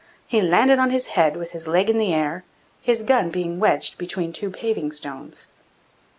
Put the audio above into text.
He landed on his head with his leg in the air, his gun being wedged between two paving stones.